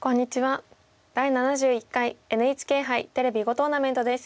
「第７１回ＮＨＫ杯テレビ囲碁トーナメント」です。